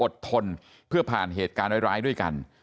ทนเพื่อผ่านเหตุการณ์ร้ายด้วยกัน